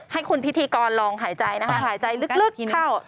ให้คุณพิธีกรลองหายใจนะคะหายใจลึกเข้า